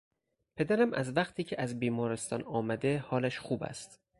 پدرم از وقتی که از بیمارستان آمده حالش خوب است.